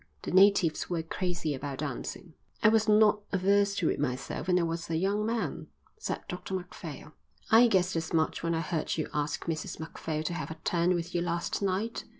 The natives were crazy about dancing." "I was not averse to it myself when I was a young man," said Dr Macphail. "I guessed as much when I heard you ask Mrs Macphail to have a turn with you last night.